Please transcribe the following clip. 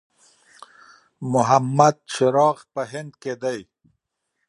محمد چراغ په هند کې دی.